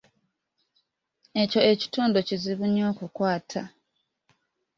Ekyo ekintu kizibu nnyo okukwata.